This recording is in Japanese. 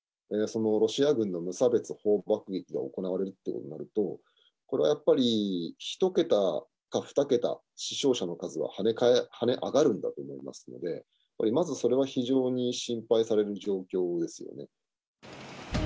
そのロシア軍の無差別砲爆撃が行われることになると、これはやっぱり１桁か２桁、死傷者の数が跳ね上がるんだと思いますので、やっぱりまずそれは非常に心配される状況ですよね。